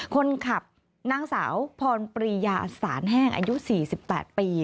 คนขับนางสาวพรปรียาสารแห้งอายุ๔๘ปี